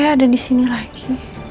ada di sini lagi